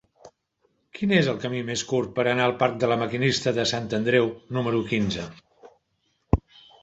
Quin és el camí més curt per anar al parc de La Maquinista de Sant Andreu número quinze?